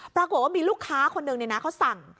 ปรากฏว่ามีลูกค้าคนหนึ่งเขาสั่ง